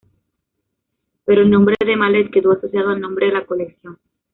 Pero el nombre de Malet quedó asociado al nombre de la colección.